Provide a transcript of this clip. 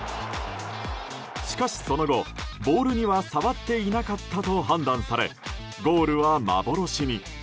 しかしその後、ボールには触っていなかったと判断されゴールは幻に。